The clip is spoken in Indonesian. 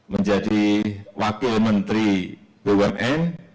menjadi wakil menteri bumn